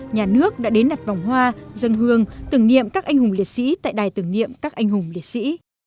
nhà nước đã đến đặt vòng hoa dân hương tưởng niệm các anh hùng liệt sĩ tại đài tưởng niệm các anh hùng liệt sĩ